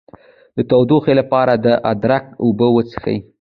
د ټوخي لپاره د ادرک اوبه وڅښئ